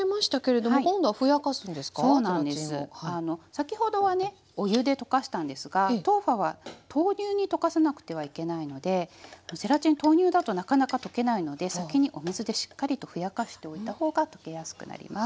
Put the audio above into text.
先ほどはねお湯で溶かしたんですが豆花は豆乳に溶かさなくてはいけないのでゼラチン豆乳だとなかなか溶けないので先にお水でしっかりとふやかしておいた方が溶けやすくなります。